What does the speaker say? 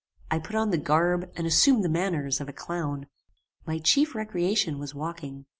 I put on the garb and assumed the manners of a clown. "My chief recreation was walking.